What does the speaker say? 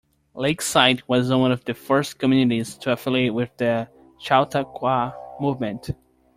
Lakeside was one of the first communities to affiliate with the Chautauqua movement.